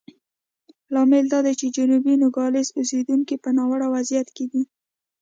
لامل دا دی چې جنوبي نوګالس اوسېدونکي په ناوړه وضعیت کې دي.